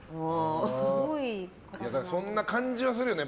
そんな感じはするよね。